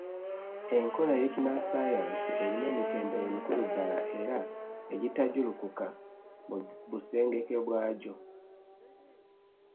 Enkola y’ekinnassaayansi erimu emitendera emikulu ddala era, egitajjulukuka mu busengeke bwagyo.